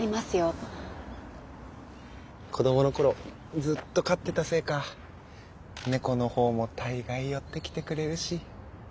子どもの頃ずっと飼ってたせいか猫のほうも大概寄ってきてくれるし。